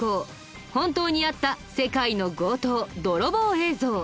本当にあった世界の強盗・泥棒映像。